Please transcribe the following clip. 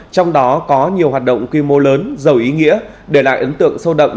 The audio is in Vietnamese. trong đó có nhiều hoạt động quy mô lớn giàu ý nghĩa để lại ấn tượng sâu đậm